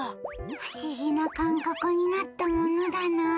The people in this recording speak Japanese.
不思議な感覚になったものだなあ。